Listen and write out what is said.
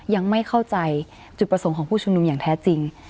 ยังไม่เข้าใจจุดประสงค์ของผู้ชุมนุมอย่างแท้จริง